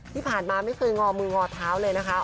ที่ผ่านมาไม่เคยงอมืองอเท้าเลยนะคะ